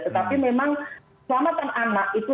tetapi memang selamatan anak itu